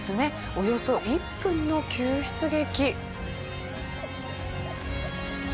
およそ１分の救出劇。